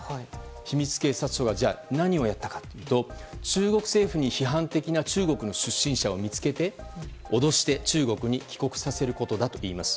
秘密警察署が何をやったのかというと中国政府に批判的な中国の出身者を見つけて脅して、中国に帰国させることだといいます。